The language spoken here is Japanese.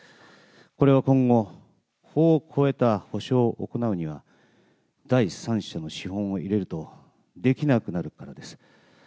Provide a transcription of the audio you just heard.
これは今後、法を超えた補償を行うには、第三者の資本を入れるとできなくなるからです。